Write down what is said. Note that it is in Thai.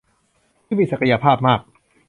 ที่มีศักยภาพมาก